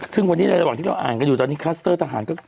ซึ่งวันนี้ในระหว่างที่เราอ่านกันอยู่ตอนนี้คลัสเตอร์ทหารก็